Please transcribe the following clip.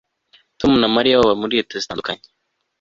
Tom na Mariya baba muri leta zitandukanye